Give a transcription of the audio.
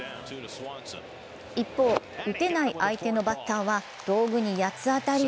一方、打てない相手のバッターは道具に八つ当たり。